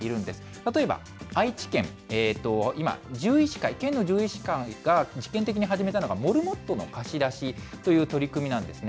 例えば愛知県、今、獣医師会、県の獣医師会が試験的に始めたのがモルモットの貸し出しという取り組みなんですね。